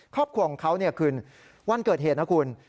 ครอบครัวของเขาคืนวันเกิดเหตุนะคุณ